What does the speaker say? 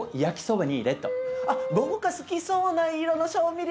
あっ僕が好きそうな色の調味料。